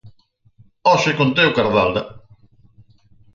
Hoxe con Teo Cardalda.